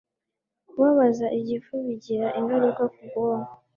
kubabaza igifu bigira ingaruka ku bwonko